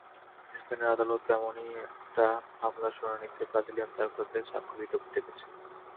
স্পেনের আদালত এমনই একটা মামলার শুনানিতে ব্রাজিলিয়ান তারকাকে সাক্ষ্য দিতে ডেকেছে।